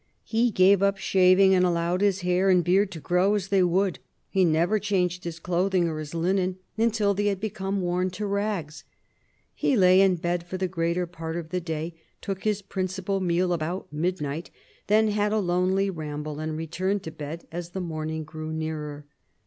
He gave up shaving and allowed his hair and board to grow as they would; he never changed his clothing or his linen until they became worn to rags; he lay in bed for the greater part of the day, took his principal meal about midnight, then had a lonely ramble, and returned to bed as the morning drew near.